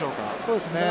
そうですね。